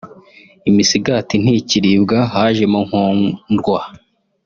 imisigati ntikiribwa hajemo nkondwa”